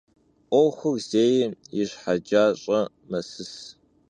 'Uexur zêym yi şhecaş'e mesıs.